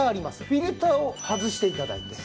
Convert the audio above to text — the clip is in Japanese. フィルターを外して頂いて。